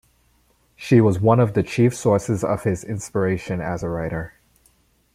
She was one of the chief sources of his inspiration as a writer.